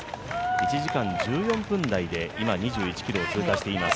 １時間１４分台で今、２１ｋｍを通過しています。